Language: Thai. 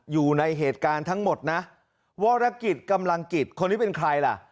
อยู่ในเหตุการณ์ทั้งหมดนะวรกิจกำลังกิจคนนี้เป็นใครล่ะ